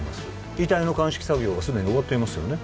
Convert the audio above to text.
遺体の鑑識作業はすでに終わっていますよね？